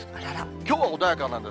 きょうは穏やかなんです。